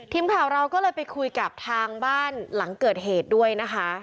ทีมข่าวเราก็เลยไปคุยกับทางบ้านหลังเกิดเหตุด้วยนะคะ